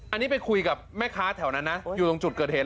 อันนี้ไปคุยกับแม่ค้าแถวนั้นนะอยู่ตรงจุดเกิดเหตุ